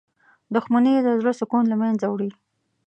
• دښمني د زړه سکون له منځه وړي.